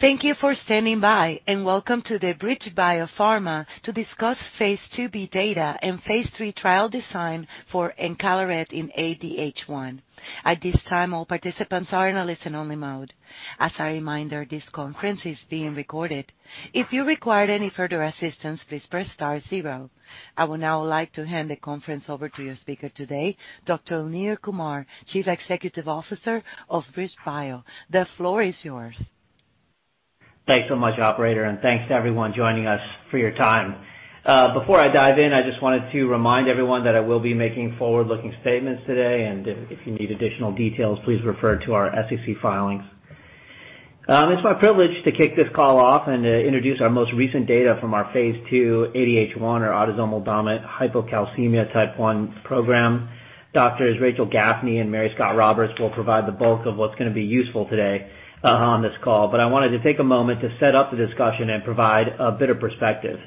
Thank you for standing by, and welcome to the BridgeBio Pharma to discuss phase 2b data and phase 3 trial design for encaleret in ADH1. At this time, all participants are in a listen-only mode. As a reminder, this conference is being recorded. If you require any further assistance, please press star zero. I would now like to hand the conference over to your speaker today, Dr. Neil Kumar, Chief Executive Officer of BridgeBio. The floor is yours. Thanks so much, operator, and thanks to everyone joining us for your time. Before I dive in, I just wanted to remind everyone that I will be making forward-looking statements today, and if you need additional details, please refer to our SEC filings. It's my privilege to kick this call off and to introduce our most recent data from our phase 2 ADH1 or autosomal dominant hypocalcemia type 1 program. Doctors Rachel Gafni and Mary Scott Roberts will provide the bulk of what's gonna be useful today, on this call. I wanted to take a moment to set up the discussion and provide a bit of perspective.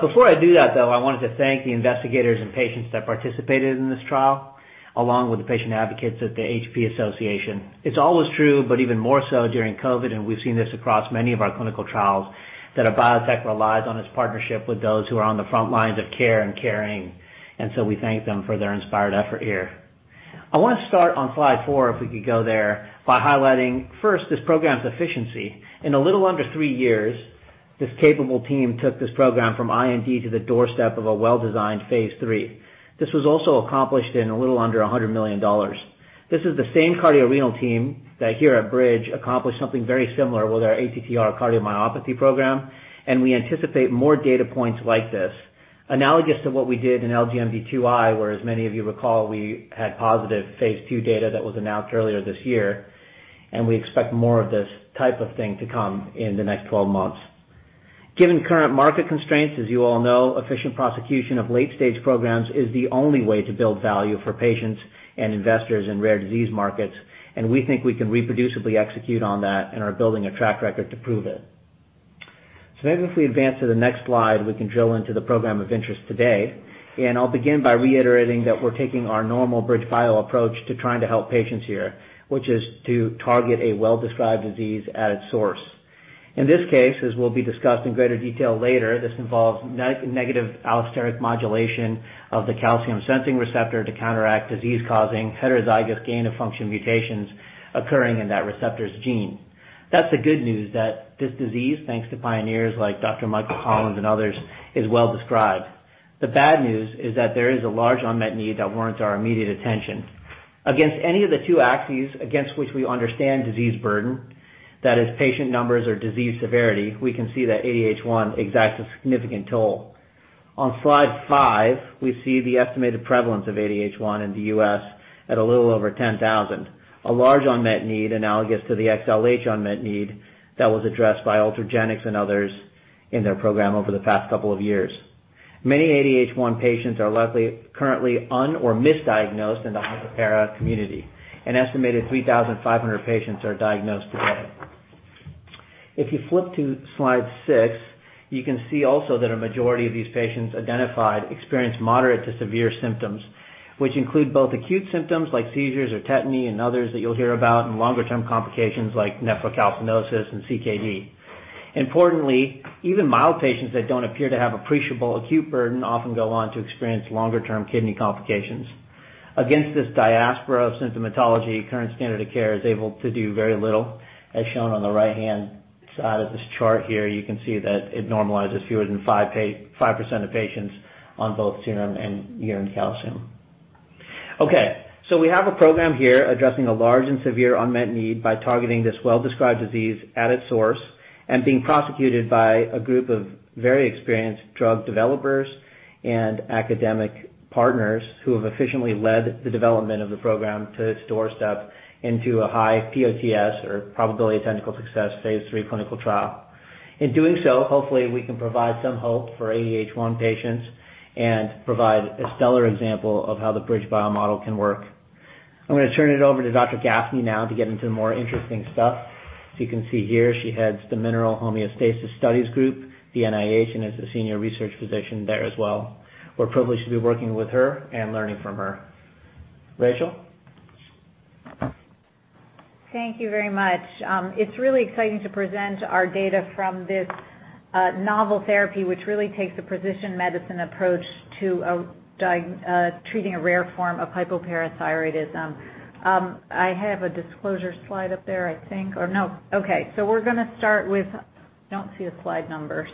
Before I do that, though, I wanted to thank the investigators and patients that participated in this trial, along with the patient advocates at the HypoPara Association. It's always true, but even more so during COVID, and we've seen this across many of our clinical trials, that a biotech relies on its partnership with those who are on the front lines of care and caring, and so we thank them for their inspired effort here. I want to start on slide 4, if we could go there, by highlighting, first, this program's efficiency. In a little under three years, this capable team took this program from IND to the doorstep of a well-designed phase 3. This was also accomplished in a little under $100 million. This is the same Cardiorenal team that here at Bridge accomplished something very similar with our ATTR cardiomyopathy program, and we anticipate more data points like this. Analogous to what we did in LGMD 2I, where as many of you recall, we had positive phase 2 data that was announced earlier this year, and we expect more of this type of thing to come in the next 12 months. Given current market constraints, as you all know, efficient prosecution of late-stage programs is the only way to build value for patients and investors in rare disease markets, and we think we can reproducibly execute on that and are building a track record to prove it. So maybe if we advance to the next slide, we can drill into the program of interest today. I'll begin by reiterating that we're taking our normal BridgeBio approach to trying to help patients here, which is to target a well-described disease at its source. In this case, as will be discussed in greater detail later, this involves negative allosteric modulation of the calcium-sensing receptor to counteract disease-causing heterozygous gain-of-function mutations occurring in that receptor's gene. That's the good news, that this disease, thanks to pioneers like Dr. Michael Collins and others, is well-described. The bad news is that there is a large unmet need that warrants our immediate attention. Against any of the two axes against which we understand disease burden, that is patient numbers or disease severity, we can see that ADH1 exacts a significant toll. On slide 5, we see the estimated prevalence of ADH1 in the U.S. at a little over 10,000. A large unmet need analogous to the XLH unmet need that was addressed by Ultragenyx and others in their program over the past couple of years. Many ADH1 patients are likely currently under- or misdiagnosed in the hypopara community. An estimated 3,500 patients are diagnosed today. If you flip to slide 6, you can see also that a majority of these patients identified experience moderate to severe symptoms, which include both acute symptoms like seizures or tetany and others that you'll hear about, and longer-term complications like nephrocalcinosis and CKD. Importantly, even mild patients that don't appear to have appreciable acute burden often go on to experience longer-term kidney complications. Against this diaspora of symptomatology, current standard of care is able to do very little. As shown on the right-hand side of this chart here, you can see that it normalizes fewer than 5% of patients on both serum and urine calcium. Okay, we have a program here addressing a large and severe unmet need by targeting this well-described disease at its source and being prosecuted by a group of very experienced drug developers and academic partners who have efficiently led the development of the program to its doorstep into a high PoTS, or probability of technical success, phase 3 clinical trial. In doing so, hopefully, we can provide some hope for ADH1 patients and provide a stellar example of how the BridgeBio model can work. I'm gonna turn it over to Dr. Gafni now to get into the more interesting stuff. As you can see here, she heads the Mineral Homeostasis Studies Group at the NIH, and is a senior research physician there as well. We're privileged to be working with her and learning from her. Rachel. Thank you very much. It's really exciting to present our data from this novel therapy, which really takes a precision medicine approach to treating a rare form of hypoparathyroidism. I have a disclosure slide up there, I think. Or no. Okay. We're gonna start with. I don't see a slide number.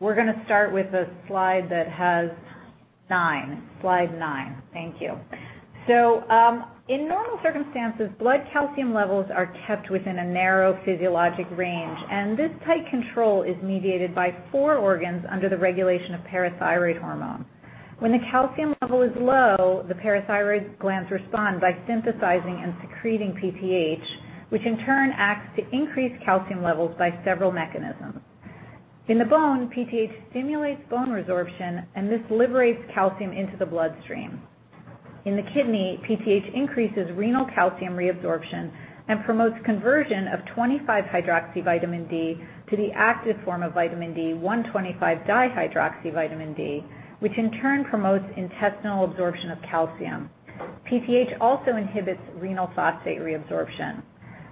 We're gonna start with the slide that has 9. Slide 9. Thank you. In normal circumstances, blood calcium levels are kept within a narrow physiologic range, and this tight control is mediated by four organs under the regulation of parathyroid hormone. When the calcium level is low, the parathyroid glands respond by synthesizing and secreting PTH, which in turn acts to increase calcium levels by several mechanisms. In the bone, PTH stimulates bone resorption, and this liberates calcium into the bloodstream. In the kidney, PTH increases renal calcium reabsorption and promotes conversion of 25-hydroxyvitamin D to the active form of vitamin D, 1,25-dihydroxyvitamin D, which in turn promotes intestinal absorption of calcium. PTH also inhibits renal phosphate reabsorption.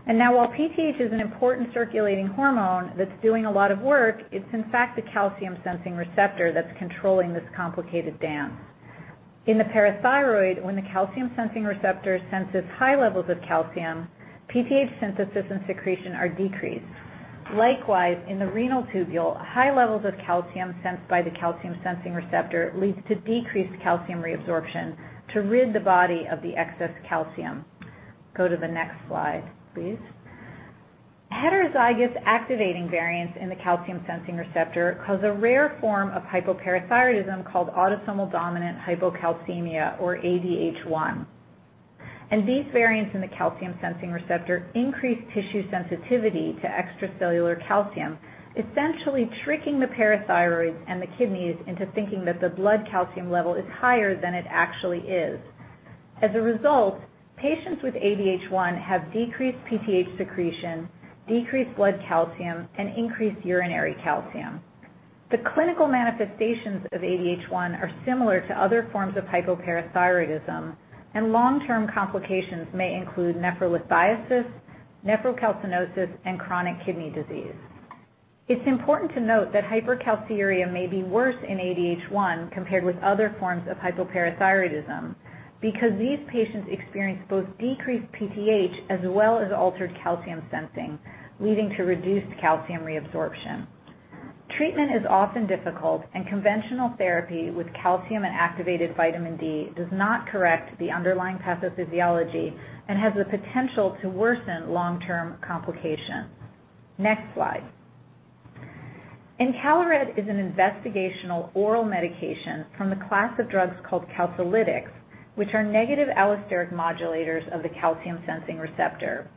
Now, while PTH is an important circulating hormone that's doing a lot of work, it's in fact the calcium-sensing receptor that's controlling this complicated dance. In the parathyroid, when the calcium-sensing receptor senses high levels of calcium, PTH synthesis and secretion are decreased. Likewise, in the renal tubule, high levels of calcium sensed by the calcium-sensing receptor leads to decreased calcium reabsorption to rid the body of the excess calcium. Go to the next slide, please. Heterozygous activating variants in the calcium-sensing receptor cause a rare form of hypoparathyroidism called autosomal dominant hypocalcemia, or ADH1. These variants in the calcium-sensing receptor increase tissue sensitivity to extracellular calcium, essentially tricking the parathyroids and the kidneys into thinking that the blood calcium level is higher than it actually is. As a result, patients with ADH1 have decreased PTH secretion, decreased blood calcium, and increased urinary calcium. The clinical manifestations of ADH1 are similar to other forms of hypoparathyroidism, and long-term complications may include nephrolithiasis, nephrocalcinosis, and chronic kidney disease. It's important to note that hypercalciuria may be worse in ADH1 compared with other forms of hypoparathyroidism because these patients experience both decreased PTH as well as altered calcium sensing, leading to reduced calcium reabsorption. Treatment is often difficult, and conventional therapy with calcium and activated vitamin D does not correct the underlying pathophysiology and has the potential to worsen long-term complications. Next slide. Encaleret is an investigational oral medication from a class of drugs called calcilytics, which are negative allosteric modulators of the calcium-sensing receptor.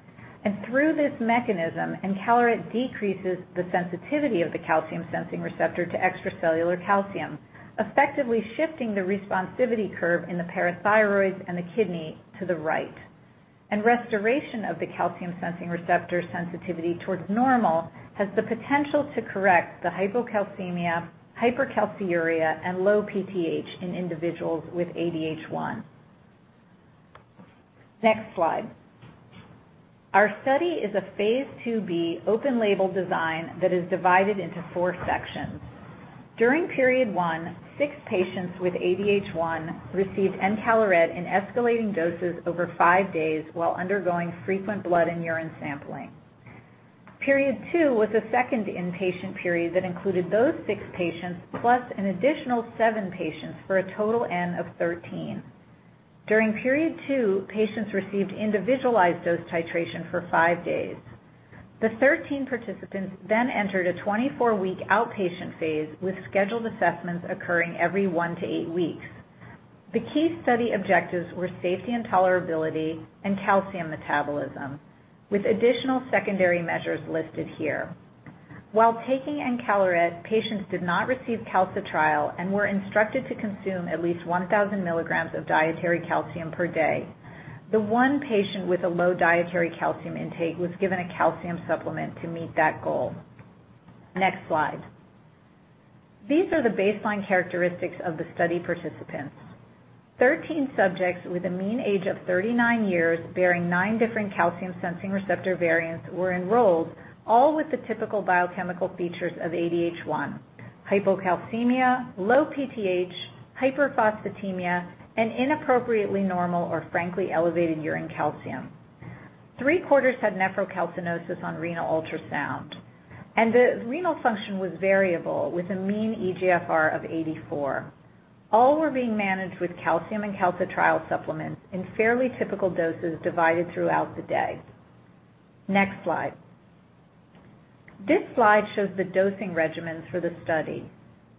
Through this mechanism, Encaleret decreases the sensitivity of the calcium-sensing receptor to extracellular calcium, effectively shifting the responsivity curve in the parathyroids and the kidney to the right. Restoration of the calcium-sensing receptor sensitivity towards normal has the potential to correct the hypocalcemia, hypercalciuria, and low PTH in individuals with ADH1. Next slide. Our study is a Phase IIb open-label design that is divided into four sections. During Period I, six patients with ADH1 received Encaleret in escalating doses over five days while undergoing frequent blood and urine sampling. Period II was a second inpatient period that included those six patients plus an additional seven patients for a total N of 13. During Period II, patients received individualized dose titration for five days. The 13 participants then entered a 24-week outpatient phase with scheduled assessments occurring every 1-8 weeks. The key study objectives were safety and tolerability and calcium metabolism, with additional secondary measures listed here. While taking encaleret, patients did not receive calcitriol and were instructed to consume at least 1,000 mg of dietary calcium per day. The 1 patient with a low dietary calcium intake was given a calcium supplement to meet that goal. Next slide. These are the baseline characteristics of the study participants. 13 subjects with a mean age of 39 years bearing nine different calcium-sensing receptor variants were enrolled, all with the typical biochemical features of ADH1, hypocalcemia, low PTH, hyperphosphatemia, and inappropriately normal or frankly elevated urine calcium. Three-quarters had nephrocalcinosis on renal ultrasound, and the renal function was variable with a mean eGFR of 84. All were being managed with calcium and calcitriol supplements in fairly typical doses divided throughout the day. Next slide. This slide shows the dosing regimens for the study.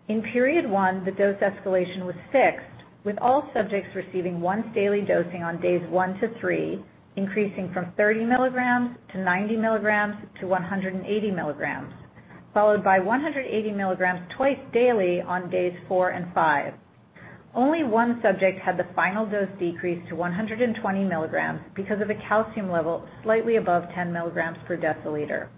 In Period I, the dose escalation was fixed, with all subjects receiving once-daily dosing on days 1-3, increasing from 30 mg-90 mg to 180 milligrams, followed by 180 mg twice daily on days 4 and 5. Only one subject had the final dose decreased to 120 milligrams because of a calcium level slightly above 10 mg/dL.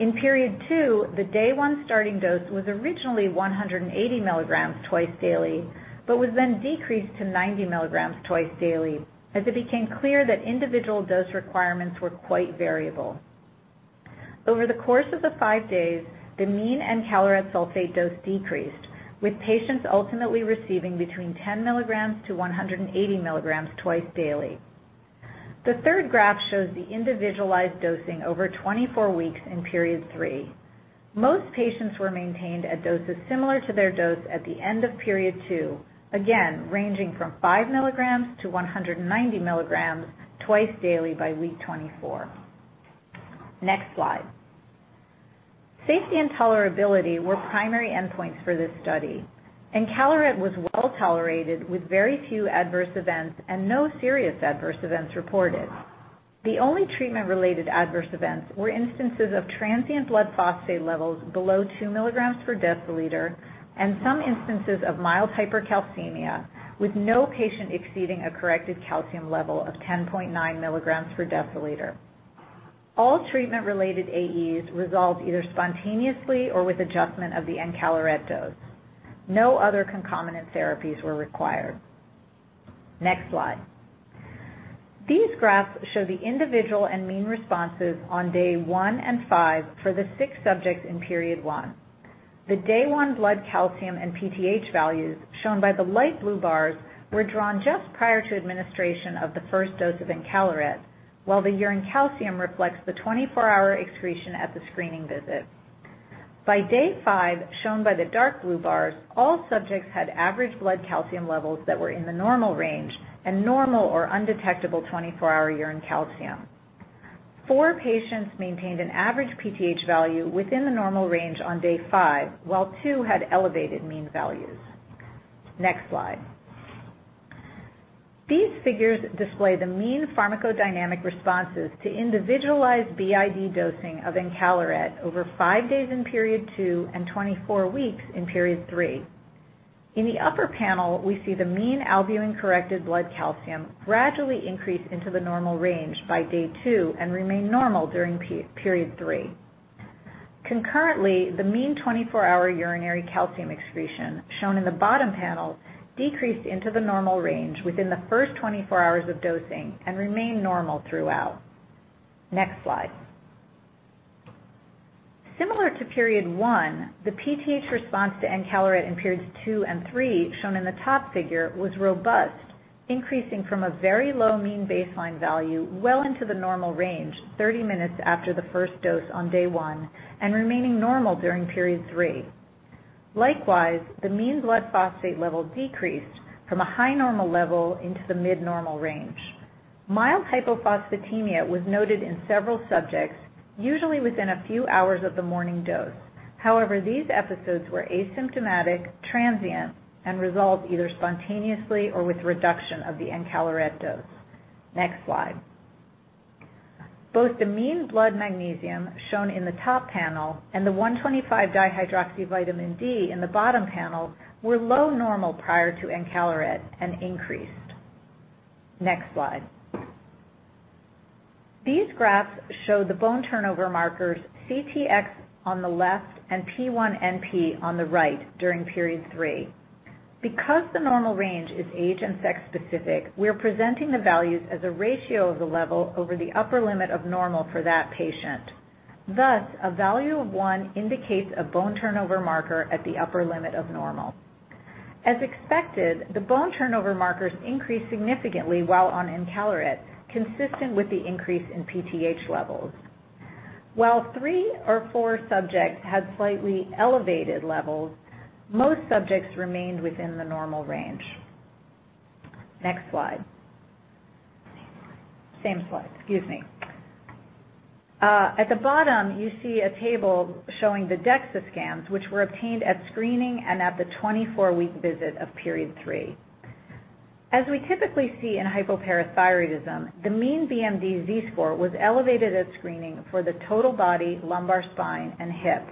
In Period II, the Day One starting dose was originally 180 mg twice daily but was then decreased to 90 mg twice daily as it became clear that individual dose requirements were quite variable. Over the course of the five days, the mean encaleret sulfate dose decreased, with patients ultimately receiving between 10 mg-180 mg twice daily. The third graph shows the individualized dosing over 24 weeks in Period III. Most patients were maintained at doses similar to their dose at the end of Period II, again ranging from 5 mg-190 mg twice daily by week 24. Next slide. Safety and tolerability were primary endpoints for this study. Encaleret was well-tolerated with very few adverse events and no serious adverse events reported. The only treatment-related adverse events were instances of transient blood phosphate levels below 2 mg/dL and some instances of mild hypercalcemia, with no patient exceeding a corrected calcium level of 10.9 mg/dL. All treatment-related AEs resolved either spontaneously or with adjustment of the encaleret dose. No other concomitant therapies were required. Next slide. These graphs show the individual and mean responses on day 1 and 5 for the six subjects in period one. The day 1 blood calcium and PTH values shown by the light blue bars were drawn just prior to administration of the first dose of encaleret, while the urine calcium reflects the 24-hour excretion at the screening visit. By day 5, shown by the dark blue bars, all subjects had average blood calcium levels that were in the normal range and normal or undetectable 24-hour urine calcium. Four patients maintained an average PTH value within the normal range on day 5, while two had elevated mean values. Next slide. These figures display the mean pharmacodynamic responses to individualized BID dosing of encaleret over five days in period two and 24 weeks in period three. In the upper panel, we see the mean albumin-corrected blood calcium gradually increase into the normal range by day 2 and remain normal during period 3. Concurrently, the mean 24-hour urinary calcium excretion shown in the bottom panel decreased into the normal range within the first 24 hours of dosing and remained normal throughout. Next slide. Similar to period 1, the PTH response to encaleret in periods 2 and 3, shown in the top figure, was robust, increasing from a very low mean baseline value well into the normal range 30 minutes after the first dose on day 1 and remaining normal during period 3. Likewise, the mean blood phosphate level decreased from a high normal level into the mid-normal range. Mild hypophosphatemia was noted in several subjects, usually within a few hours of the morning dose. However, these episodes were asymptomatic, transient, and resolved either spontaneously or with reduction of the encaleret dose. Next slide. Both the mean blood magnesium, shown in the top panel, and the 1,25-dihydroxyvitamin D in the bottom panel were low normal prior to encaleret and increased. Next slide. These graphs show the bone turnover markers CTX on the left and P1NP on the right during Period 3. Because the normal range is age and sex specific, we are presenting the values as a ratio of the level over the upper limit of normal for that patient. Thus, a value of 1 indicates a bone turnover marker at the upper limit of normal. As expected, the bone turnover markers increased significantly while on encaleret, consistent with the increase in PTH levels. While three or four subjects had slightly elevated levels, most subjects remained within the normal range. Next slide. Same slide. Excuse me. At the bottom, you see a table showing the DEXA scans, which were obtained at screening and at the 24-week visit of period three. As we typically see in hypoparathyroidism, the mean BMD Z-score was elevated at screening for the total body, lumbar spine, and hip,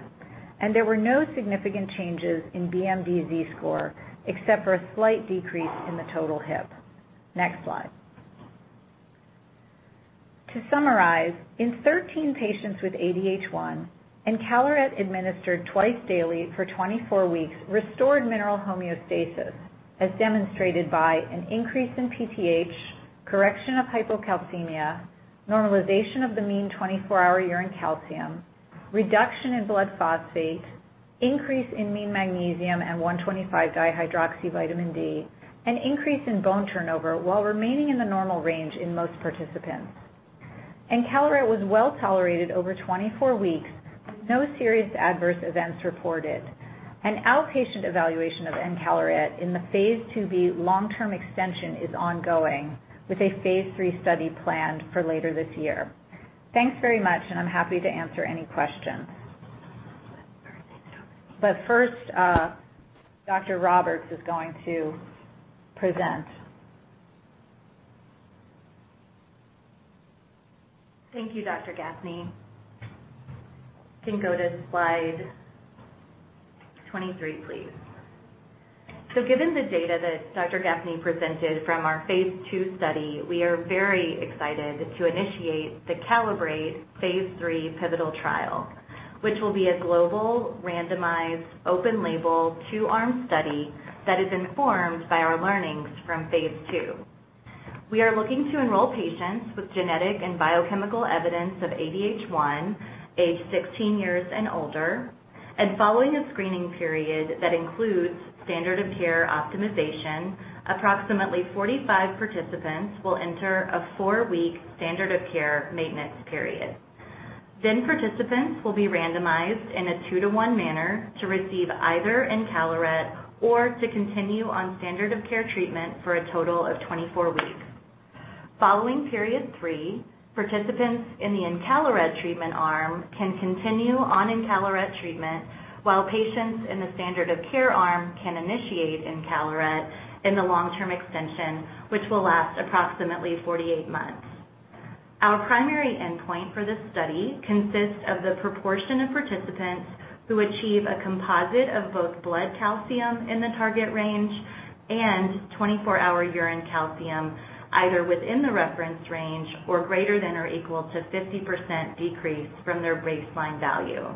and there were no significant changes in BMD Z-score except for a slight decrease in the total hip. Next slide. To summarize, in 13 patients with ADH1, encaleret administered twice daily for 24 weeks restored mineral homeostasis, as demonstrated by an increase in PTH, correction of hypocalcemia, normalization of the mean 24-hour urine calcium, reduction in blood phosphate, increase in mean magnesium and 1,25-dihydroxyvitamin D, and increase in bone turnover while remaining in the normal range in most participants. Encaleret was well tolerated over 24 weeks with no serious adverse events reported. An outpatient evaluation of encaleret in the Phase IIb long-term extension is ongoing, with a Phase III study planned for later this year. Thanks very much, and I'm happy to answer any questions. First, Dr. Roberts is going to present. Thank you, Dr. Gafni. You can go to slide 23, please. Given the data that Dr. Gafni presented from our phase II study, we are very excited to initiate the CALIBRATE phase III pivotal trial, which will be a global randomized open label two-arm study that is informed by our learnings from phase II. We are looking to enroll patients with genetic and biochemical evidence of ADH1 aged 16 years and older. Following a screening period that includes standard of care optimization, approximately 45 participants will enter a 4-week standard of care maintenance period. Participants will be randomized in a 2-to-1 manner to receive either encaleret or to continue on standard of care treatment for a total of 24 weeks. Following period 3, participants in the encaleret treatment arm can continue on encaleret treatment while patients in the standard of care arm can initiate encaleret in the long-term extension, which will last approximately 48 months. Our primary endpoint for this study consists of the proportion of participants who achieve a composite of both blood calcium in the target range and 24-hour urine calcium, either within the reference range or greater than or equal to 50% decrease from their baseline value.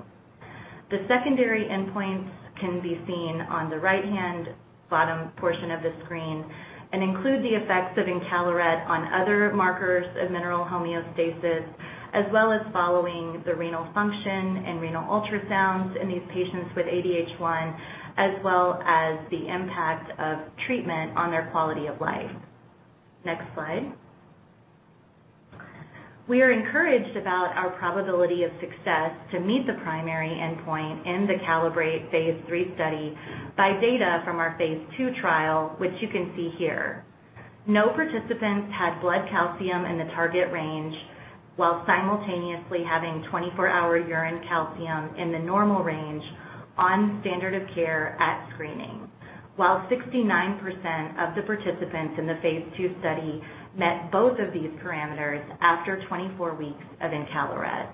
The secondary endpoints can be seen on the right-hand bottom portion of the screen and include the effects of encaleret on other markers of mineral homeostasis, as well as following the renal function and renal ultrasounds in these patients with ADH1, as well as the impact of treatment on their quality of life. Next slide. We are encouraged about our probability of success to meet the primary endpoint in the CALIBRATE phase 3 study by data from our phase 2 trial, which you can see here. No participants had blood calcium in the target range while simultaneously having 24-hour urine calcium in the normal range on standard of care at screening. While 69% of the participants in the phase 2 study met both of these parameters after 24 weeks of encaleret.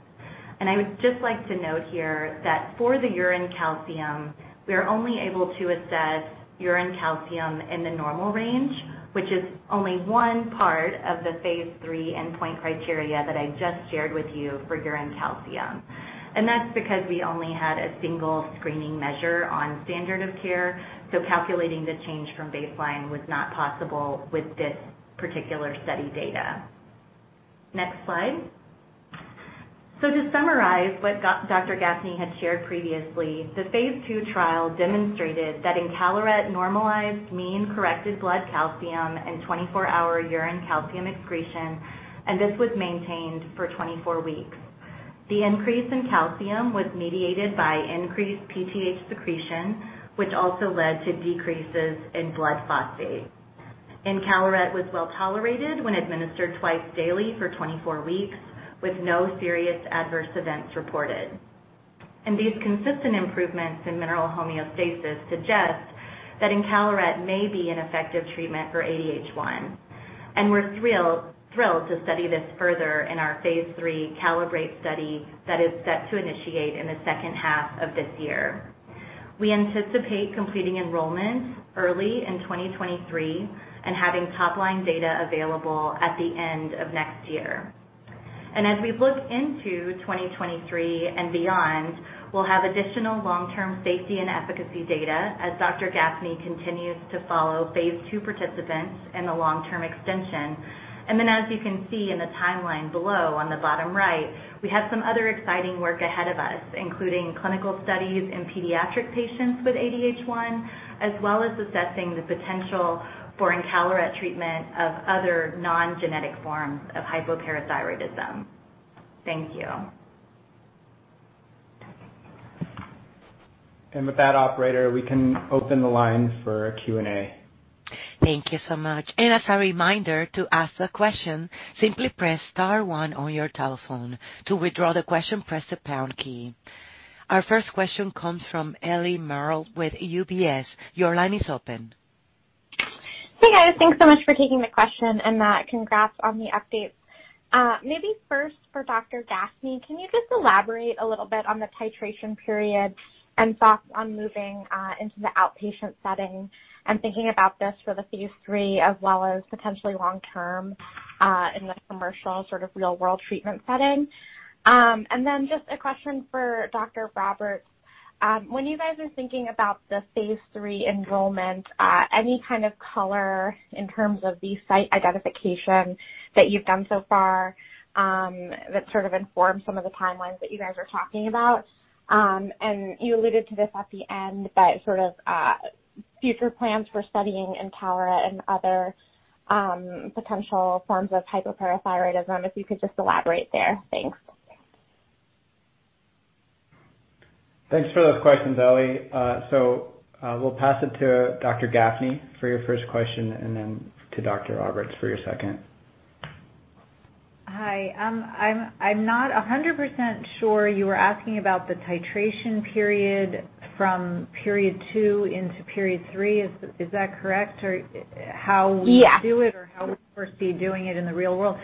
I would just like to note here that for the urine calcium, we are only able to assess urine calcium in the normal range, which is only one part of the phase 3 endpoint criteria that I just shared with you for urine calcium. That's because we only had a single screening measure on standard of care, so calculating the change from baseline was not possible with this particular study data. Next slide. To summarize what Dr. Gafni had shared previously, the phase 2 trial demonstrated that encaleret normalized mean corrected blood calcium and 24-hour urine calcium excretion, and this was maintained for 24 weeks. The increase in calcium was mediated by increased PTH secretion, which also led to decreases in blood phosphate. Encaleret was well tolerated when administered twice daily for 24 weeks, with no serious adverse events reported. These consistent improvements in mineral homeostasis suggest that encaleret may be an effective treatment for ADH1. We're thrilled to study this further in our phase 3 CALIBRATE study that is set to initiate in the second half of this year. We anticipate completing enrollment early in 2023 and having top-line data available at the end of next year. As we look into 2023 and beyond, we'll have additional long-term safety and efficacy data as Dr. Gafni continues to follow phase 2 participants in the long-term extension. As you can see in the timeline below on the bottom right, we have some other exciting work ahead of us, including clinical studies in pediatric patients with ADH1, as well as assessing the potential for encaleret treatment of other non-genetic forms of hypoparathyroidism. Thank you. With that operator, we can open the line for Q&A. Thank you so much. As a reminder to ask a question, simply press star one on your telephone. To withdraw the question, press the pound key. Our first question comes from Eliana Merle with UBS. Your line is open. Hey, guys. Thanks so much for taking the question, and, Matt, congrats on the update. Maybe first for Dr. Gafni, can you just elaborate a little bit on the titration period and thoughts on moving into the outpatient setting and thinking about this for the phase 3 as well as potentially long term in the commercial sort of real-world treatment setting? Just a question for Dr. Roberts. When you guys are thinking about the phase 3 enrollment, any kind of color in terms of the site identification that you've done so far, that sort of informs some of the timelines that you guys are talking about? You alluded to this at the end, but sort of future plans for studying encaleret and other potential forms of hypoparathyroidism, if you could just elaborate there. Thanks. Thanks for those questions, Ellie. We'll pass it to Dr. Gafni for your first question and then to Dr. Roberts for your second. Hi. I'm not 100% sure you were asking about the titration period from period 2 into period 3. Is that correct? Or how Yeah We do it or how we foresee doing it in the real world.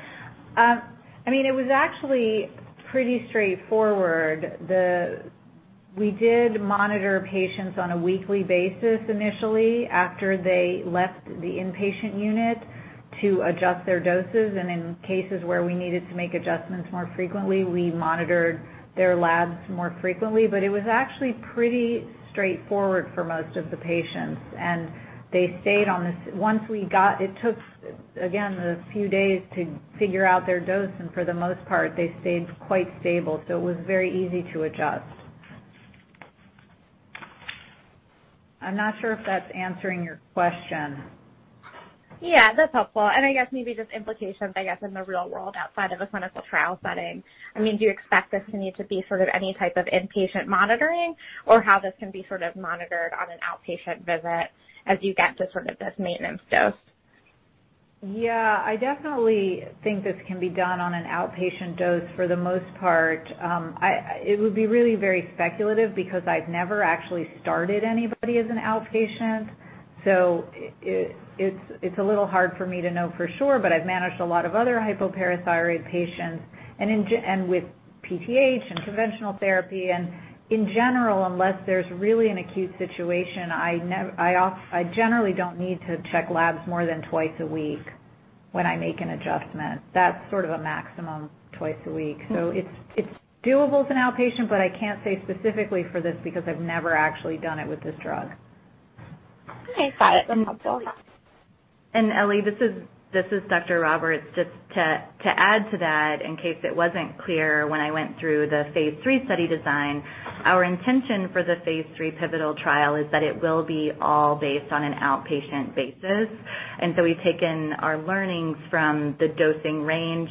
I mean, it was actually pretty straightforward. We did monitor patients on a weekly basis initially after they left the inpatient unit to adjust their doses. In cases where we needed to make adjustments more frequently, we monitored their labs more frequently. It was actually pretty straightforward for most of the patients. They stayed on this. It took, again, a few days to figure out their dose, and for the most part, they stayed quite stable, so it was very easy to adjust. I'm not sure if that's answering your question. Yeah, that's helpful. I guess maybe just implications, I guess, in the real world outside of a clinical trial setting. I mean, do you expect this to need to be sort of any type of inpatient monitoring or how this can be sort of monitored on an outpatient visit as you get to sort of this maintenance dose? Yeah. I definitely think this can be done on an outpatient dose for the most part. It would be really very speculative because I've never actually started anybody as an outpatient. It's a little hard for me to know for sure, but I've managed a lot of other hypoparathyroid patients and with PTH and conventional therapy. In general, unless there's really an acute situation, I generally don't need to check labs more than twice a week. When I make an adjustment, that's sort of a maximum twice a week. It's doable as an outpatient, but I can't say specifically for this because I've never actually done it with this drug. Okay. Got it. That's helpful. Eliana, this is Dr. Roberts. Just to add to that, in case it wasn't clear when I went through the phase 3 study design, our intention for the phase 3 pivotal trial is that it will be all based on an outpatient basis. We've taken our learnings from the dosing range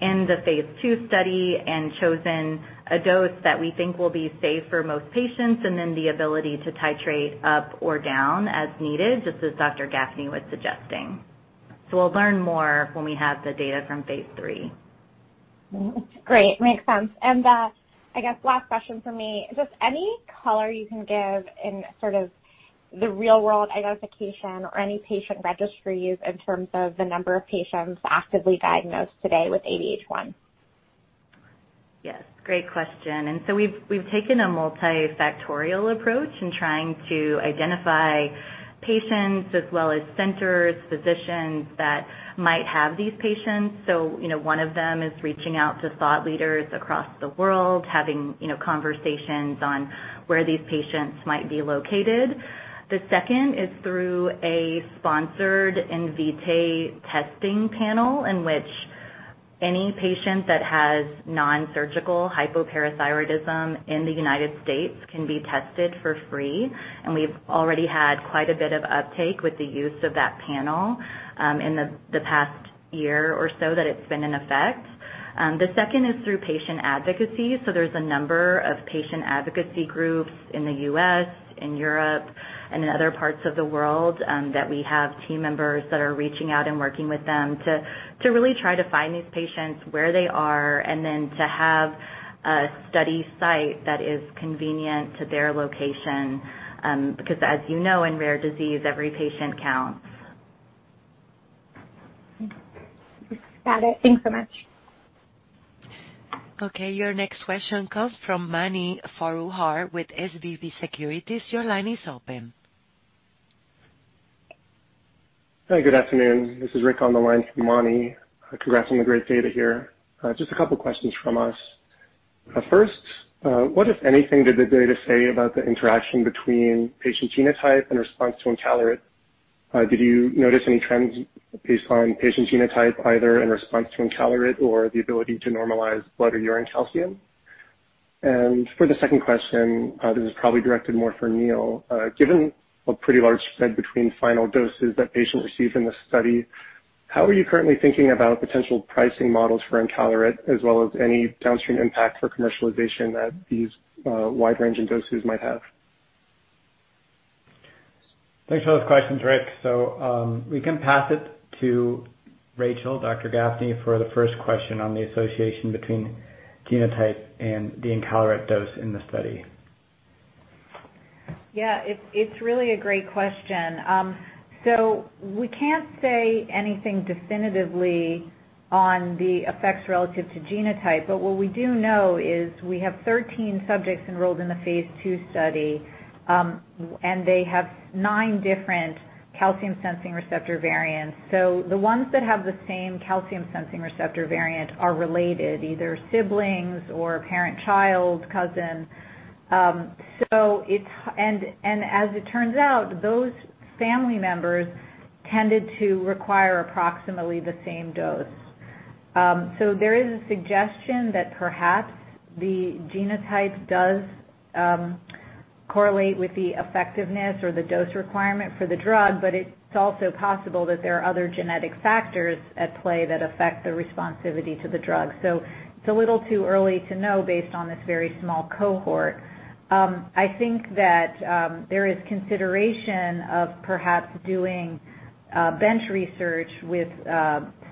in the phase 2 study and chosen a dose that we think will be safe for most patients, and then the ability to titrate up or down as needed, just as Dr. Gafni was suggesting. We'll learn more when we have the data from phase 3. Great. Makes sense. I guess last question from me. Just any color you can give in sort of the real-world identification or any patient registries in terms of the number of patients actively diagnosed today with ADH1? Yes, great question. We've taken a multifactorial approach in trying to identify patients as well as centers, physicians that might have these patients. You know, one of them is reaching out to thought leaders across the world, having, you know, conversations on where these patients might be located. The second is through a sponsored Invitae testing panel, in which any patient that has nonsurgical hypoparathyroidism in the United States can be tested for free. We've already had quite a bit of uptake with the use of that panel in the past year or so that it's been in effect. The second is through patient advocacy. There's a number of patient advocacy groups in the US, in Europe, and in other parts of the world, that we have team members that are reaching out and working with them to really try to find these patients where they are and then to have a study site that is convenient to their location. Because as you know, in rare disease, every patient counts. Got it. Thanks so much. Okay. Your next question comes from Mani Foroohar with SVB Securities. Your line is open. Hi, good afternoon. This is Rick on the line for Mani. Congrats on the great data here. Just a couple questions from us. First, what, if anything, did the data say about the interaction between patient genotype and response to encaleret? Did you notice any trends based on patient genotype, either in response to encaleret or the ability to normalize blood or urine calcium? For the second question, this is probably directed more for Neil. Given a pretty large spread between final doses that patients received in the study, how are you currently thinking about potential pricing models for encaleret, as well as any downstream impact for commercialization that these wide range in doses might have? Thanks for those questions, Rick. We can pass it to Rachel Gafni, Dr. Gafni, for the first question on the association between genotype and the encaleret dose in the study. Yeah. It's really a great question. So we can't say anything definitively on the effects relative to genotype, but what we do know is we have 13 subjects enrolled in the phase 2 study, and they have nine different calcium-sensing receptor variants. So the ones that have the same calcium-sensing receptor variant are related, either siblings or parent-child, cousin. So as it turns out, those family members tended to require approximately the same dose. So there is a suggestion that perhaps the genotype does correlate with the effectiveness or the dose requirement for the drug, but it's also possible that there are other genetic factors at play that affect the responsivity to the drug. So it's a little too early to know based on this very small cohort. I think that there is consideration of perhaps doing bench research with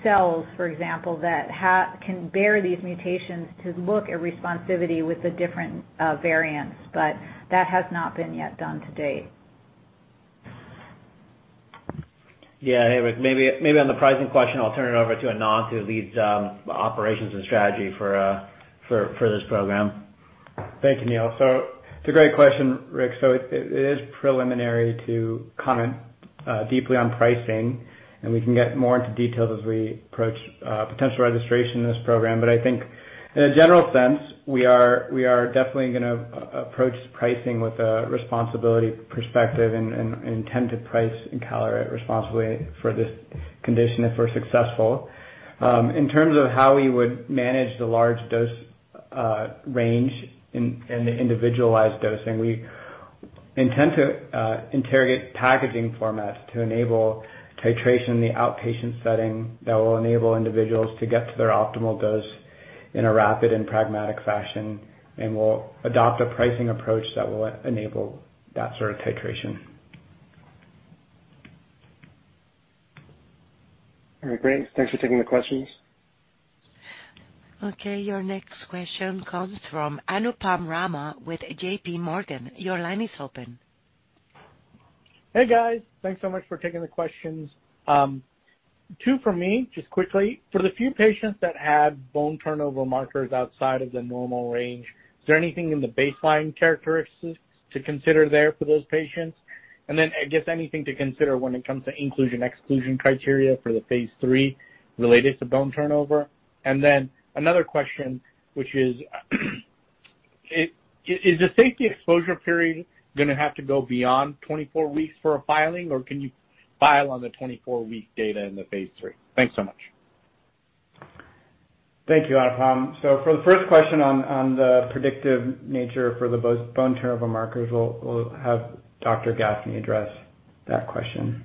cells, for example, that can bear these mutations to look at responsivity with the different variants, but that has not been yet done to date. Yeah. Hey, Rick. Maybe on the pricing question, I'll turn it over to Ananth, who leads operations and strategy for this program. Thank you, Neil. It's a great question, Rick. It is preliminary to comment deeply on pricing, and we can get more into details as we approach potential registration in this program. I think in a general sense, we are definitely gonna approach pricing with a responsibility perspective and intend to price encaleret responsibly for this condition if we're successful. In terms of how we would manage the large dose range and the individualized dosing, we intend to interrogate packaging formats to enable titration in the outpatient setting that will enable individuals to get to their optimal dose in a rapid and pragmatic fashion, and we'll adopt a pricing approach that will enable that sort of titration. All right, great. Thanks for taking the questions. Okay, your next question comes from Anupam Rama with JP Morgan. Your line is open. Hey, guys. Thanks so much for taking the questions. Two from me, just quickly. For the few patients that had bone turnover markers outside of the normal range, is there anything in the baseline characteristics to consider there for those patients? I guess anything to consider when it comes to inclusion, exclusion criteria for the phase 3 related to bone turnover. Another question, which is the safety exposure period gonna have to go beyond 24 weeks for a filing, or can you file on the 24 week data in the phase 3? Thanks so much. Thank you, Anupam. For the first question on the predictive nature for the bone turnover markers, we'll have Dr. Gafni address that question.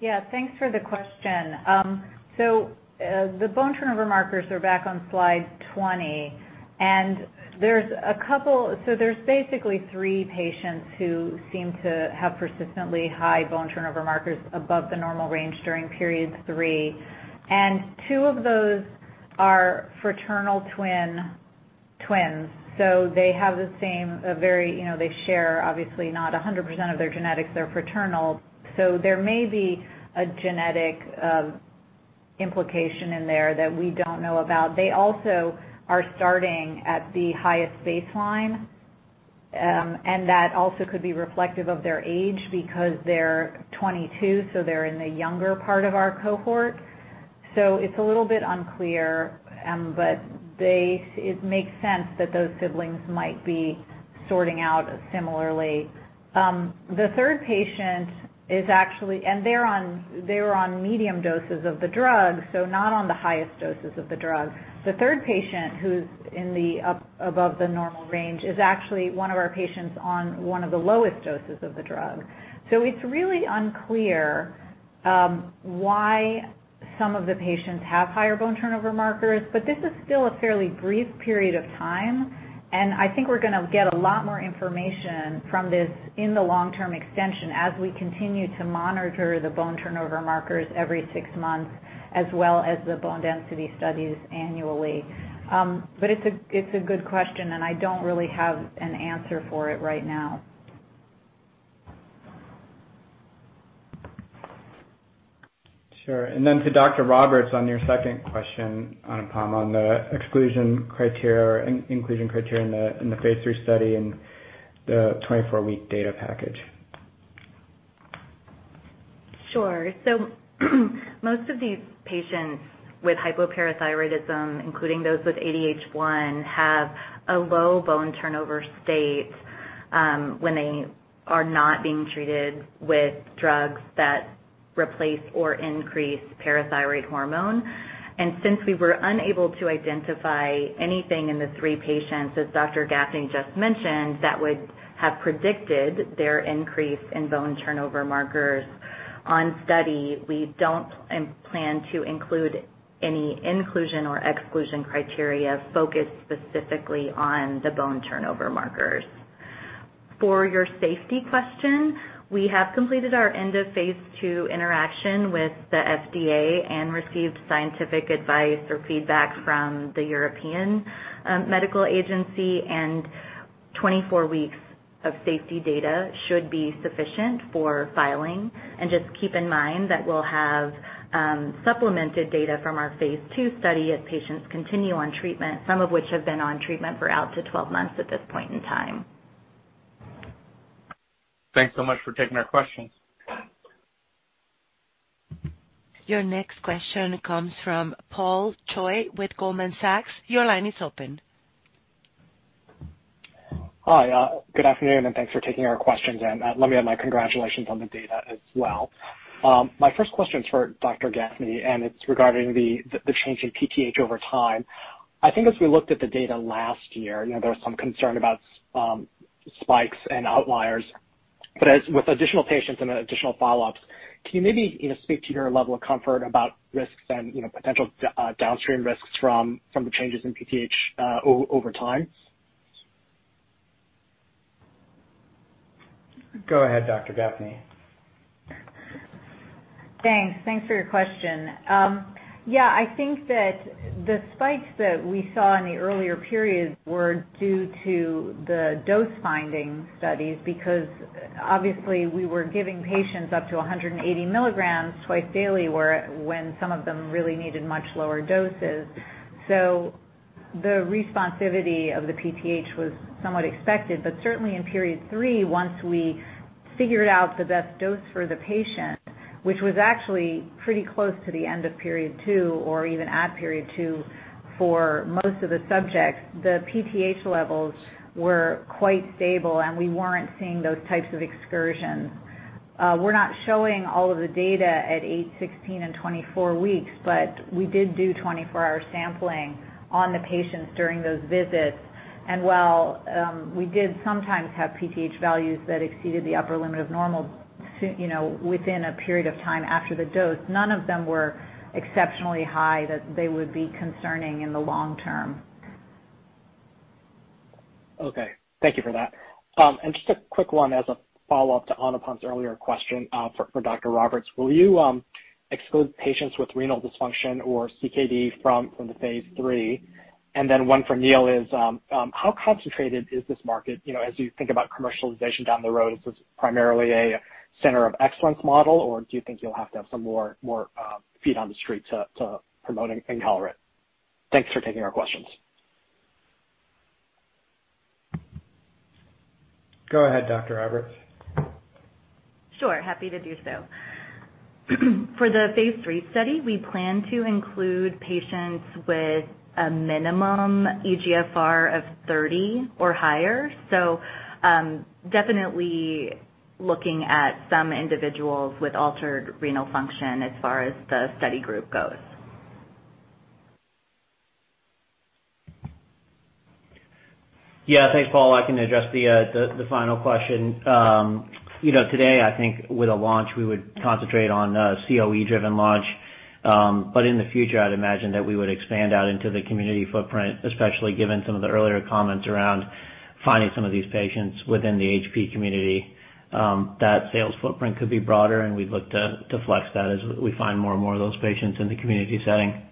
Yeah, thanks for the question. The bone turnover markers are back on slide 20, and there's a couple. There's basically three patients who seem to have persistently high bone turnover markers above the normal range during period three, and two of those are fraternal twins. They have the same, a very, you know, they share obviously not 100% of their genetics, they're fraternal, so there may be a genetic implication in there that we don't know about. They also are starting at the highest baseline, and that also could be reflective of their age because they're 22, so they're in the younger part of our cohort. It's a little bit unclear, but it make sense that those siblings might be sorting out similarly. The third patient is actually, they were on medium doses of the drug, so not on the highest doses of the drug. The third patient who's up above the normal range is actually one of our patients on one of the lowest doses of the drug. It's really unclear why some of the patients have higher bone turnover markers, but this is still a fairly brief period of time, and I think we're gonna get a lot more information from this in the long-term extension as we continue to monitor the bone turnover markers every six months, as well as the bone density studies annually. It's a good question, and I don't really have an answer for it right now. Sure. To Dr. Roberts, on your second question, Anupam, on the exclusion criteria, inclusion criteria in the phase three study and the 24-week data package. Sure. Most of these patients with hypoparathyroidism, including those with ADH1, have a low bone turnover state when they are not being treated with drugs that replace or increase parathyroid hormone. Since we were unable to identify anything in the three patients, as Dr. Gafni just mentioned, that would have predicted their increase in bone turnover markers on study, we don't plan to include any inclusion or exclusion criteria focused specifically on the bone turnover markers. For your safety question, we have completed our end of phase two interaction with the FDA and received scientific advice or feedback from the European Medicines Agency, and 24 weeks of safety data should be sufficient for filing. Just keep in mind that we'll have supplemental data from our phase 2 study as patients continue on treatment, some of which have been on treatment for up to 12 months at this point in time. Thanks so much for taking our questions. Your next question comes from Paul Choi with Goldman Sachs. Your line is open. Hi. Good afternoon, and thanks for taking our questions. Let me add my congratulations on the data as well. My first question is for Dr. Gafni, and it's regarding the change in PTH over time. I think as we looked at the data last year, you know, there was some concern about spikes and outliers. With additional patients and additional follow-ups, can you maybe, you know, speak to your level of comfort about risks and, you know, potential downstream risks from the changes in PTH over time? Go ahead, Dr. Gafni. Thanks. Thanks for your question. Yeah, I think that the spikes that we saw in the earlier periods were due to the dose-finding studies because obviously we were giving patients up to 180 mg twice daily, when some of them really needed much lower doses. The responsivity of the PTH was somewhat expected. Certainly in period three, once we figured out the best dose for the patient, which was actually pretty close to the end of period two or even at period two for most of the subjects, the PTH levels were quite stable, and we weren't seeing those types of excursions. We're not showing all of the data at 8, 16, and 24 weeks, but we did do 24-hour sampling on the patients during those visits. While we did sometimes have PTH values that exceeded the upper limit of normal, you know, within a period of time after the dose, none of them were exceptionally high that they would be concerning in the long term. Okay. Thank you for that. And just a quick one as a follow-up to Anupam's earlier question, for Dr. Roberts. Will you exclude patients with renal dysfunction or CKD from the phase 3? One from Neil is, how concentrated is this market, you know, as you think about commercialization down the road? Is this primarily a center of excellence model, or do you think you'll have to have some more feet on the street to promote encaleret? Thanks for taking our questions. Go ahead, Dr. Roberts. Sure, happy to do so. For the phase 3 study, we plan to include patients with a minimum eGFR of 30 or higher. Definitely looking at some individuals with altered renal function as far as the study group goes. Yeah, thanks, Paul. I can address the final question. You know, today I think with a launch, we would concentrate on COE-driven launch. In the future, I'd imagine that we would expand out into the community footprint, especially given some of the earlier comments around finding some of these patients within the HP community. That sales footprint could be broader, and we'd look to flex that as we find more and more of those patients in the community setting.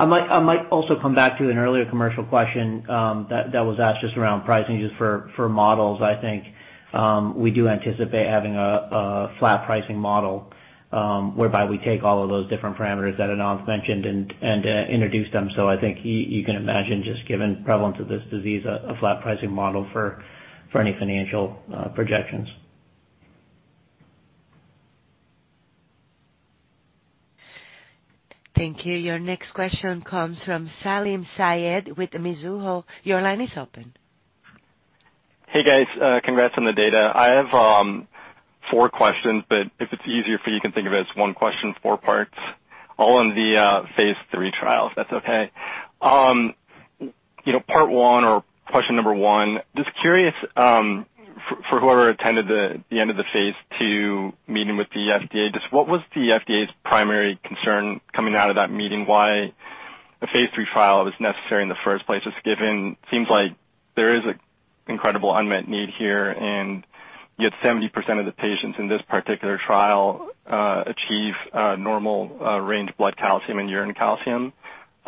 I might also come back to an earlier commercial question that was asked just around pricing just for models. I think we do anticipate having a flat pricing model, whereby we take all of those different parameters that Ananth mentioned and introduce them. I think you can imagine, just given prevalence of this disease, a flat pricing model for any financial projections. Thank you. Your next question comes from Salim Syed with Mizuho. Your line is open. Hey, guys. Congrats on the data. I have four questions, but if it's easier for you can think of it as 1 question, four parts, all on the phase 3 trials, if that's okay. You know, part 1 or question number 1, just curious, for whoever attended the end of the phase 2 meeting with the FDA, just what was the FDA's primary concern coming out of that meeting why a phase 3 trial was necessary in the first place. Seems like there is an incredible unmet need here, and yet 70% of the patients in this particular trial achieve normal range blood calcium and urine calcium.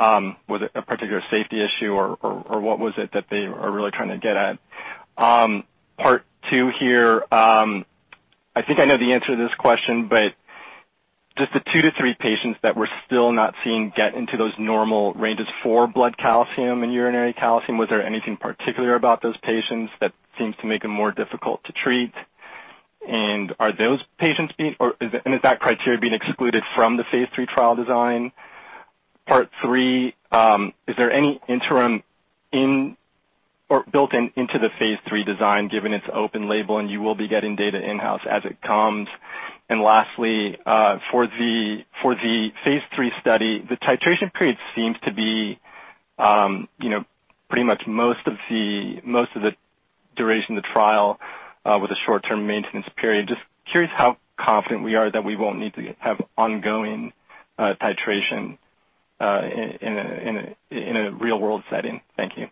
Was it a particular safety issue or what was it that they are really trying to get at? Part two here. I think I know the answer to this question, but just the 2-3 patients that we're still not seeing get into those normal ranges for blood calcium and urinary calcium, was there anything particular about those patients that seems to make them more difficult to treat? Is that criteria being excluded from the phase 3 trial design? Third, is there any interim or built-in into the phase 3 design given its open label, and you will be getting data in-house as it comes? Lastly, for the phase 3 study, the titration period seems to be, you know, pretty much most of the duration of the trial, with a short-term maintenance period. Just curious how confident we are that we won't need to have ongoing titration in a real-world setting. Thank you.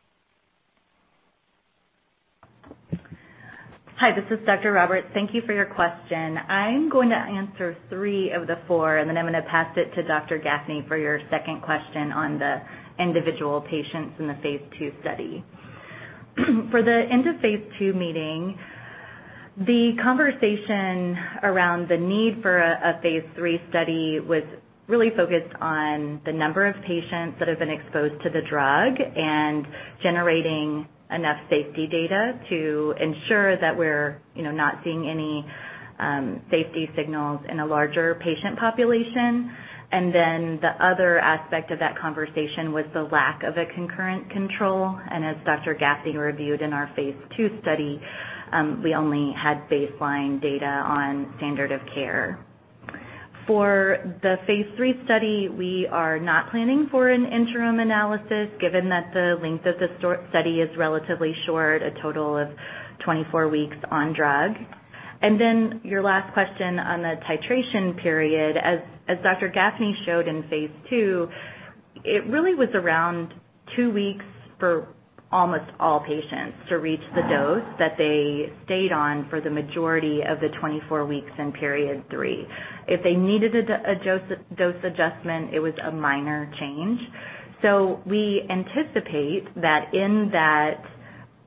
Hi, this is Dr. Roberts. Thank you for your question. I'm going to answer three of the four, and then I'm gonna pass it to Dr. Gafni for your second question on the individual patients in the phase two study. For the end of phase two meeting, the conversation around the need for a phase three study was really focused on the number of patients that have been exposed to the drug and generating enough safety data to ensure that we're, you know, not seeing any safety signals in a larger patient population. The other aspect of that conversation was the lack of a concurrent control. As Dr. Gafni reviewed in our phase two study, we only had baseline data on standard of care. For the phase three study, we are not planning for an interim analysis given that the length of the study is relatively short, a total of 24 weeks on drug. Then your last question on the titration period. As Dr. Gafni showed in phase two, it really was around two weeks for almost all patients to reach the dose that they stayed on for the majority of the 24 weeks in period three. If they needed a dose adjustment, it was a minor change. We anticipate that in that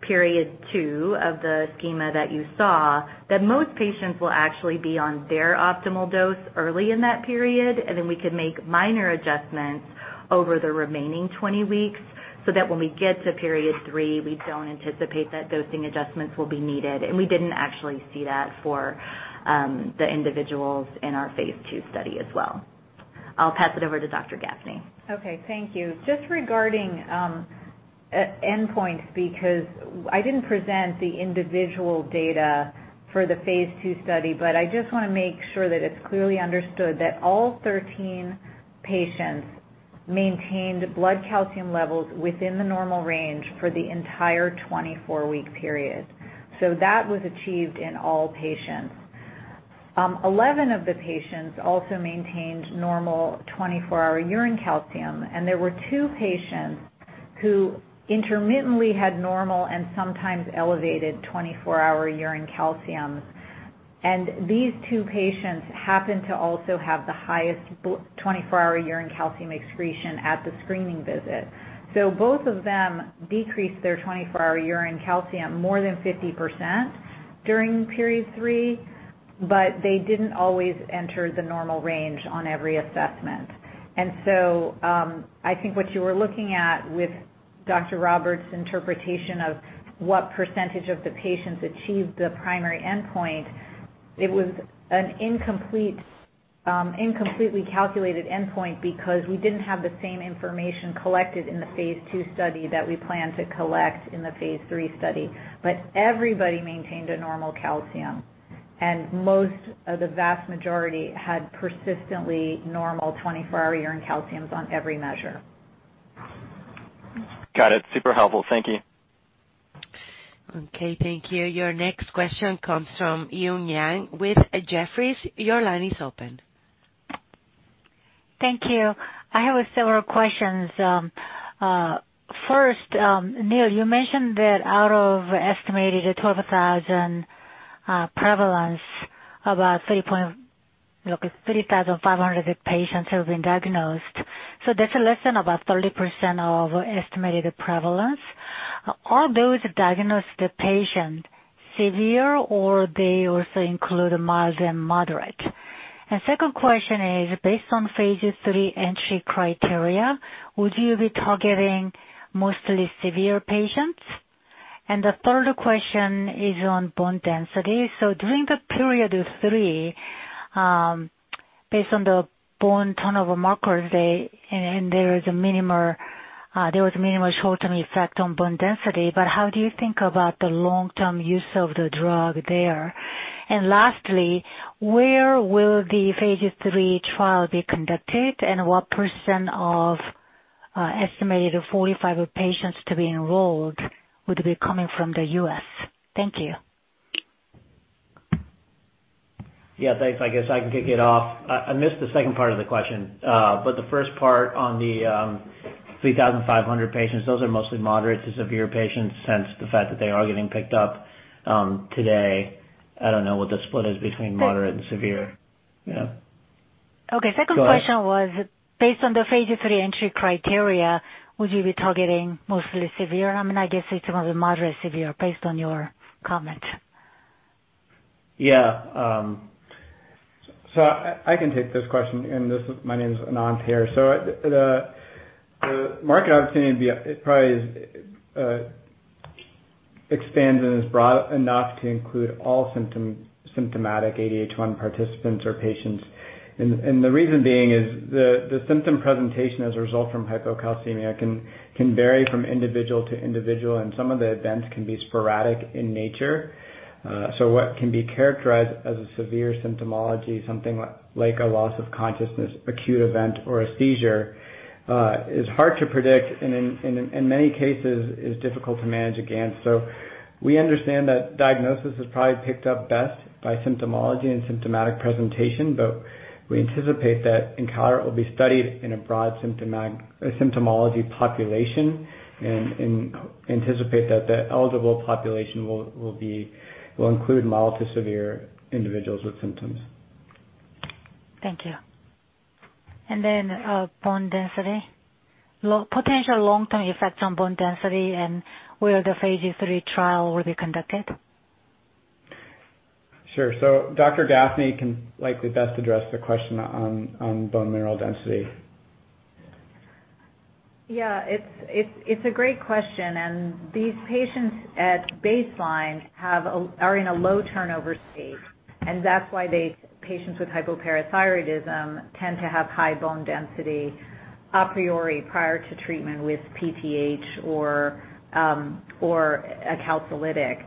period two of the schema that you saw, that most patients will actually be on their optimal dose early in that period, and then we can make minor adjustments over the remaining 20 weeks, so that when we get to period three, we don't anticipate that dosing adjustments will be needed. We didn't actually see that for the individuals in our phase two study as well. I'll pass it over to Dr. Gafni. Okay, thank you. Just regarding endpoints because I didn't present the individual data for the phase 2 study, but I just wanna make sure that it's clearly understood that all 13 patients maintained blood calcium levels within the normal range for the entire 24-week period. That was achieved in all patients. Eleven of the patients also maintained normal 24-hour urine calcium, and there were two patients who intermittently had normal and sometimes elevated 24-hour urine calcium. These two patients happened to also have the highest 24-hour urine calcium excretion at the screening visit. Both of them decreased their 24-hour urine calcium more than 50% during period 3. They didn't always enter the normal range on every assessment. I think what you were looking at with Dr. Roberts' interpretation of what percentage of the patients achieved the primary endpoint, it was an incompletely calculated endpoint because we didn't have the same information collected in the phase 2 study that we plan to collect in the phase 3 study. Everybody maintained a normal calcium, and most of the vast majority had persistently normal 24-hour urine calciums on every measure. Got it. Super helpful. Thank you. Okay, thank you. Your next question comes from Yun Zhong with Jefferies. Your line is open. Thank you. I have several questions. First, Neil, you mentioned that out of estimated 12,000 prevalence, about 3,500 patients have been diagnosed. That's less than about 30% of estimated prevalence. Are those diagnosed patients severe or they also include mild and moderate? Second question is, based on phase 3 entry criteria, would you be targeting mostly severe patients? The third question is on bone density. During the period of three, based on the bone turnover markers, there was minimal short-term effect on bone density, but how do you think about the long-term use of the drug there? Lastly, where will the phase 3 trial be conducted, and what % of estimated 45 patients to be enrolled would be coming from the US? Thank you. Yeah, thanks. I guess I can kick it off. I missed the second part of the question. The first part on the 3,500 patients, those are mostly moderate to severe patients since the fact that they are getting picked up today. I don't know what the split is between moderate and severe. Yeah. Okay. Go ahead. Second question was based on the phase 3 entry criteria. Would you be targeting mostly severe? I mean, I guess it's going to be moderate severe based on your comment. Yeah. I can take this question. My name is Ananth here. The market opportunity probably is expands and is broad enough to include all symptomatic ADH1 participants or patients. The reason being is the symptom presentation as a result from hypocalcemia can vary from individual to individual, and some of the events can be sporadic in nature. What can be characterized as a severe symptomology, something like a loss of consciousness, acute event or a seizure, is hard to predict and in many cases is difficult to manage against. We understand that diagnosis is probably picked up best by symptomology and symptomatic presentation, but we anticipate that NKAR will be studied in a broad symptomology population and anticipate that the eligible population will include mild to severe individuals with symptoms. Thank you. Bone density. Potential long-term effects on bone density and where the phase 3 trial will be conducted? Sure. Dr. Gafni can likely best address the question on bone mineral density. Yeah, it's a great question. These patients at baseline are in a low turnover state, and that's why patients with hypoparathyroidism tend to have high bone density a priori prior to treatment with PTH or a calcilytic.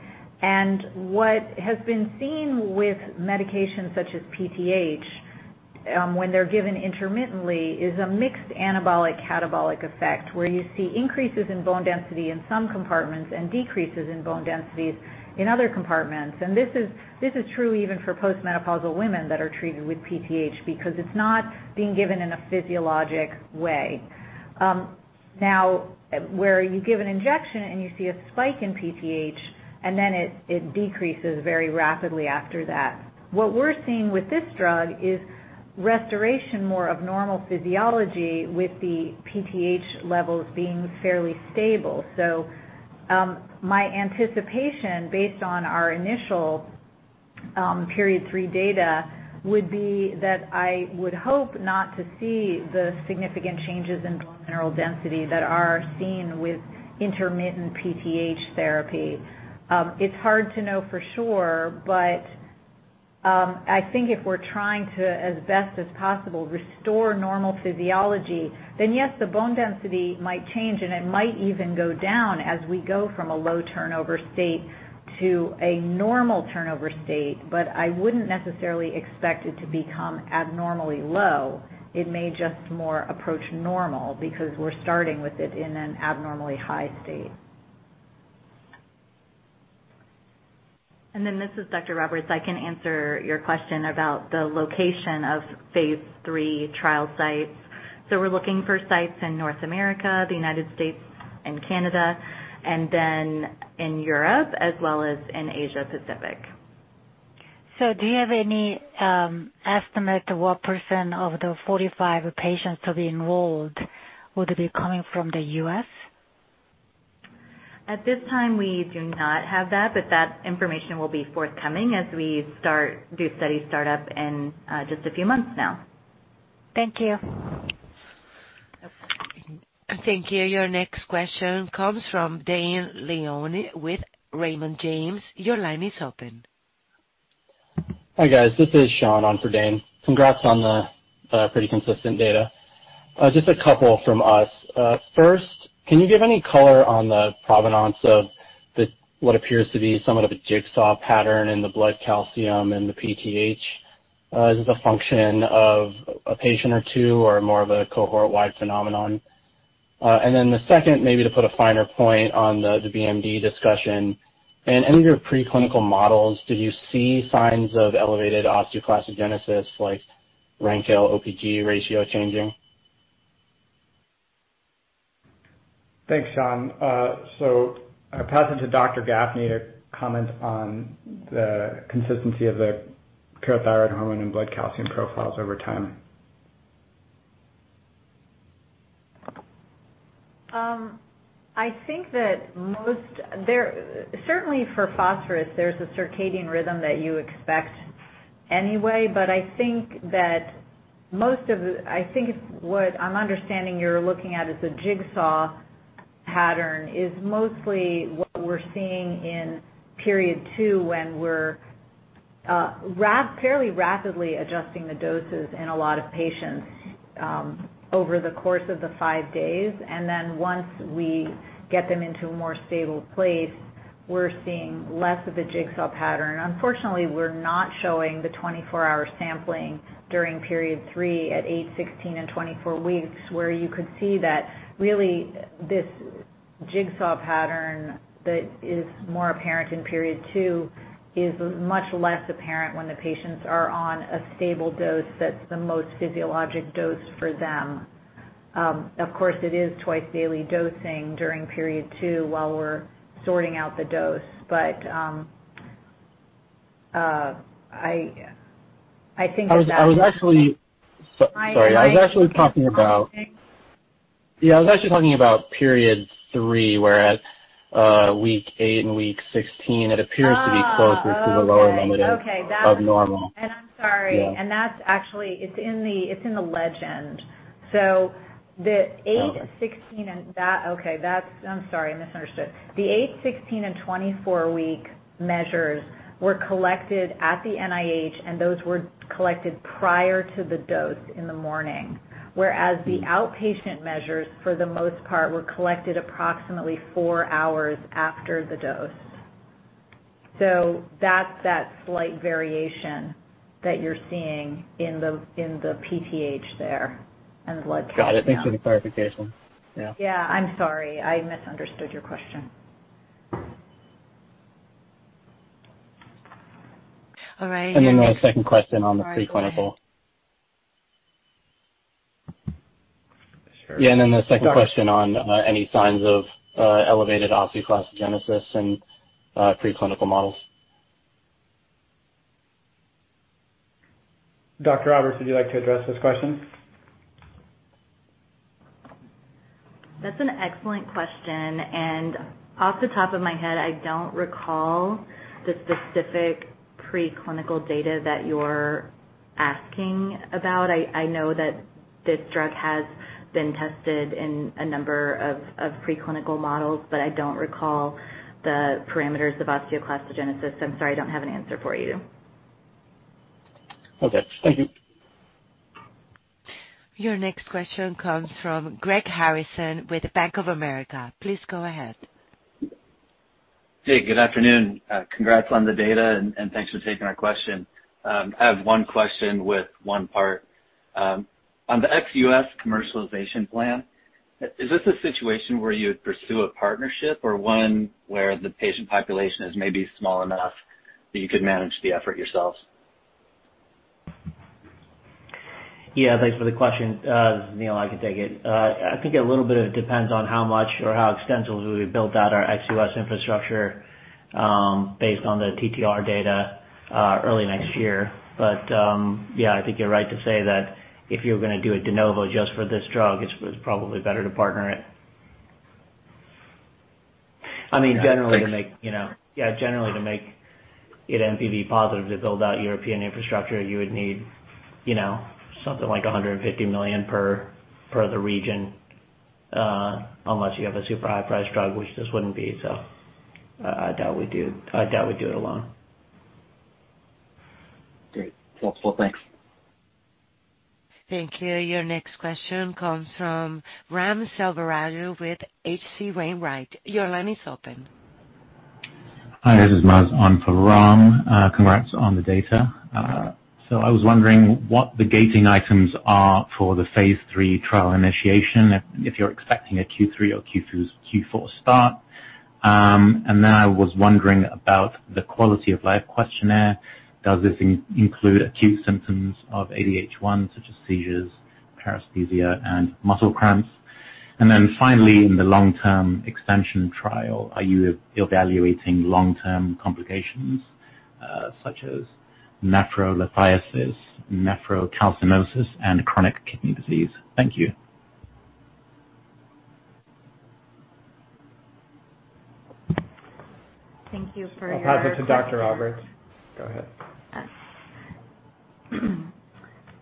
What has been seen with medications such as PTH when they're given intermittently is a mixed anabolic catabolic effect, where you see increases in bone density in some compartments and decreases in bone densities in other compartments. This is true even for post-menopausal women that are treated with PTH because it's not being given in a physiologic way. Now where you give an injection and you see a spike in PTH and then it decreases very rapidly after that. What we're seeing with this drug is restoration more of normal physiology with the PTH levels being fairly stable. My anticipation based on our initial Phase 3 data would be that I would hope not to see the significant changes in bone mineral density that are seen with intermittent PTH therapy. It's hard to know for sure, but I think if we're trying to, as best as possible, restore normal physiology, then yes, the bone density might change, and it might even go down as we go from a low turnover state to a normal turnover state. But I wouldn't necessarily expect it to become abnormally low. It may just more approach normal because we're starting with it in an abnormally high state. This is Dr. Roberts. I can answer your question about the location of phase 3 trial sites. We're looking for sites in North America, the United States and Canada, and then in Europe as well as in Asia Pacific. Do you have any estimate what percent of the 45 patients to be enrolled would be coming from the US? At this time, we do not have that, but that information will be forthcoming as we do study start up in just a few months now. Thank you. Thank you. Your next question comes from Dane Leone with Raymond James. Your line is open. Hi, guys. This is Sean on for Dane. Congrats on the pretty consistent data. Just a couple from us. First, can you give any color on the provenance of what appears to be somewhat of a jigsaw pattern in the blood calcium and the PTH? Then the second, maybe to put a finer point on the BMD discussion. In any of your preclinical models, did you see signs of elevated osteoclastogenesis like RANKL/OPG ratio changing? Thanks, Sean. I'll pass it to Dr. Gafni to comment on the consistency of the parathyroid hormone and blood calcium profiles over time. I think that certainly for phosphorus, there's a circadian rhythm that you expect anyway. I think that most of the I think what I'm understanding you're looking at is a zigzag pattern is mostly what we're seeing in Period 2, when we're rather rapidly adjusting the doses in a lot of patients over the course of the five days. Once we get them into a more stable place, we're seeing less of a zigzag pattern. Unfortunately, we're not showing the 24-hour sampling during Period 3 at 8, 16 and 24 weeks, where you could see that really this zigzag pattern that is more apparent in Period 2 is much less apparent when the patients are on a stable dose that's the most physiologic dose for them. Of course it is twice-daily dosing during Period 2 while we're sorting out the dose. I think that. I was actually. I- Sorry. I was actually talking about. Okay. Yeah, I was actually talking about period three, where at week eight and week 16, it appears to be closer. Oh, okay. to the lower limit of Okay. of normal. I'm sorry. Yeah. That's actually. It's in the legend. The eight- Okay. I'm sorry, I misunderstood. The 8, 16 and 24 week measures were collected at the NIH, and those were collected prior to the dose in the morning. Whereas the outpatient measures, for the most part, were collected approximately four hours after the dose. That's that slight variation that you're seeing in the PTH there and the blood calcium. Got it. Thanks for the clarification. Yeah. Yeah. I'm sorry. I misunderstood your question. All right. The second question on the preclinical. Sorry. Go ahead. Sure. The second question on any signs of elevated osteoclastogenesis in preclinical models. Dr. Roberts, would you like to address this question? That's an excellent question. Off the top of my head, I don't recall the specific preclinical data that you're asking about. I know that this drug has been tested in a number of preclinical models, but I don't recall the parameters of osteoclastogenesis. I'm sorry, I don't have an answer for you. Okay. Thank you. Your next question comes from Greg Harrison with Bank of America. Please go ahead. Hey, good afternoon. Congrats on the data and thanks for taking our question. I have one question with one part. On the ex-U.S. commercialization plan, is this a situation where you would pursue a partnership or one where the patient population is maybe small enough that you could manage the effort yourselves? Yeah, thanks for the question. Neil, I can take it. I think a little bit of it depends on how much or how extensive we build out our ex US infrastructure, based on the TTR data early next year. Yeah, I think you're right to say that if you're gonna do a de novo just for this drug, it's probably better to partner it. Yeah. Thanks. I mean, generally to make it NPV positive to build out European infrastructure, you would need, you know, something like $150 million per the region. Unless you have a super high price drug, which this wouldn't be, so I doubt we'd do it alone. Great. Helpful. Thanks. Thank you. Your next question comes from Ram Selvaraju with H.C. Wainwright. Your line is open. Hi, this is Maz on for Ram. Congrats on the data. I was wondering what the gating items are for the phase 3 trial initiation, if you're expecting a Q3 or Q4 start. I was wondering about the quality of life questionnaire. Does this include acute symptoms of ADH1, such as seizures, paresthesia, and muscle cramps? Finally, in the long-term extension trial, are you evaluating long-term complications, such as nephrolithiasis, nephrocalcinosis, and chronic kidney disease. Thank you. Thank you for your. I'll pass it to Dr. Roberts. Go ahead.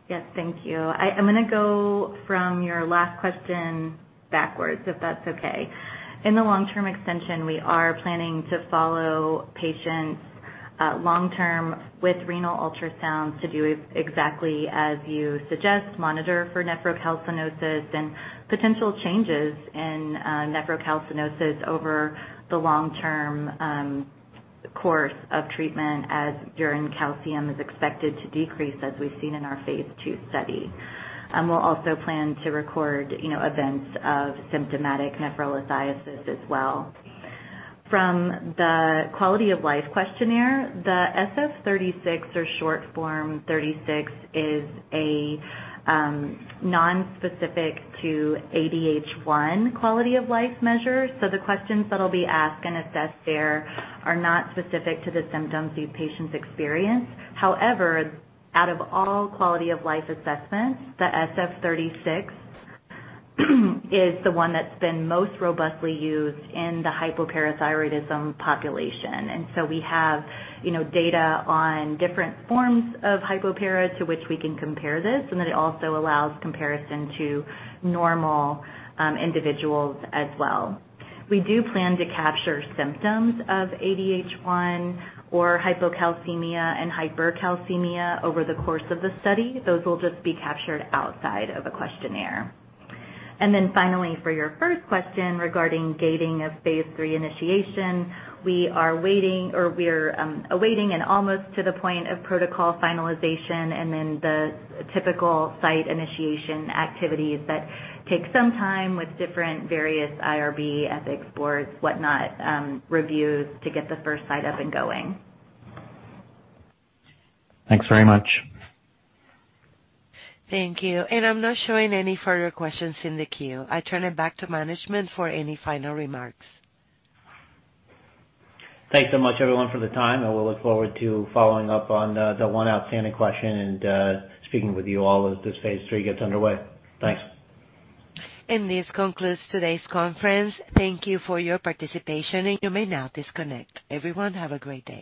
Yes. Thank you. I'm gonna go from your last question backwards, if that's okay. In the long-term extension, we are planning to follow patients long term with renal ultrasounds to do it exactly as you suggest, monitor for nephrocalcinosis and potential changes in nephrocalcinosis over the long-term course of treatment as urine calcium is expected to decrease, as we've seen in our phase 2 study. We'll also plan to record, you know, events of symptomatic nephrolithiasis as well. From the quality of life questionnaire, the SF-36 or Short Form-36 is a nonspecific to ADH1 quality of life measure. The questions that'll be asked and assessed there are not specific to the symptoms these patients experience. However, out of all quality of life assessments, the SF-36 is the one that's been most robustly used in the hypoparathyroidism population. We have, you know, data on different forms of hypopara to which we can compare this, and it also allows comparison to normal, individuals as well. We do plan to capture symptoms of ADH1 or hypocalcemia and hypercalcemia over the course of the study. Those will just be captured outside of a questionnaire. Finally, for your first question regarding gating of phase three initiation, we are waiting, or we're, awaiting and almost to the point of protocol finalization and then the typical site initiation activities that take some time with different various IRB ethics boards, whatnot, reviews to get the first site up and going. Thanks very much. Thank you. I'm not showing any further questions in the queue. I turn it back to management for any final remarks. Thanks so much, everyone, for the time, and we'll look forward to following up on the one outstanding question and speaking with you all as this phase 3 gets underway. Thanks. This concludes today's conference. Thank you for your participation, and you may now disconnect. Everyone, have a great day.